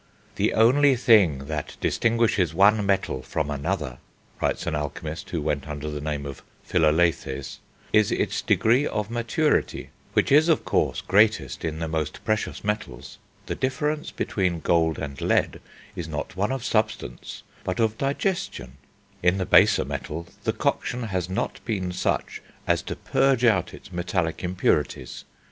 "The only thing that distinguishes one metal from another," writes an alchemist who went under the name of Philalethes, "is its degree of maturity, which is, of course, greatest in the most precious metals; the difference between gold and lead is not one of substance, but of digestion; in the baser metal the coction has not been such as to purge out its metallic impurities.